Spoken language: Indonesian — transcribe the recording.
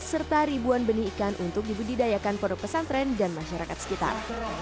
serta ribuan benih ikan untuk dibudidayakan pondok pesantren dan masyarakat sekitar